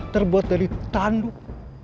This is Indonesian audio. terbuat dari tanduk